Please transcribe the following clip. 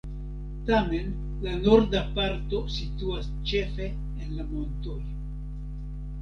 Tamen la norda parto situas ĉefe en la montoj.